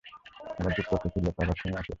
আবার যুগচক্র ফিরিয়াছে, আবার সময় আসিয়াছে।